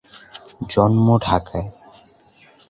জন্ম ঢাকায়।